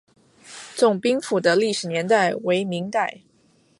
总兵府的历史年代为明代。